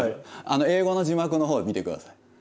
英語の字幕の方を見てください。